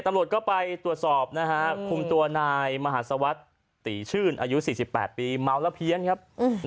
ตำรวจก็ไปตรวจสอบนะฮะคุมตัวนายมหาศวรรษตีชื่นอายุ๔๘ปีเมาแล้วเพี้ยนครับ